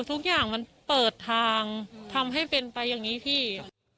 ทุกอย่างมันเปิดทางทำให้เป็นไปอย่างนี้พี่